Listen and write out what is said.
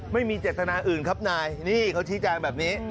ไม่มีเจตนาอื่นครับนายนี่เขาชี้แจงแบบนี้